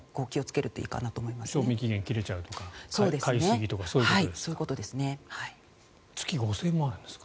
賞味期限が切れちゃうとか買いすぎとかそういうことですか。